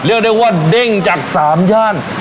เรียกได้ว่าเด้งจาก๓ย่าน